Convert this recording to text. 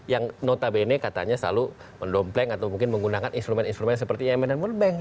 yang notabene katanya selalu mendompleng atau mungkin menggunakan instrumen instrumen seperti imman dan world bank